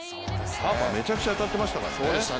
ハーパー、めちゃくちゃ当たってましたからね。